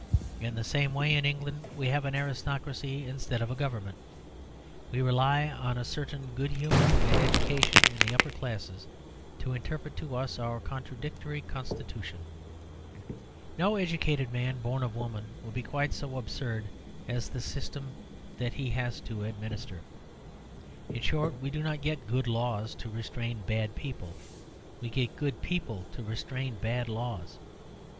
In the same way in England we have an aristocracy instead of a Government. We rely on a certain good humour and education in the upper class to interpret to us our contradictory Constitution. No educated man born of woman will be quite so absurd as the system that he has to administer. In short, we do not get good laws to restrain bad people. We get good people to restrain bad laws.